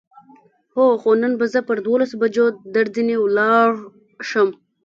هو، خو نن به زه پر دولسو بجو درځنې ولاړ شم.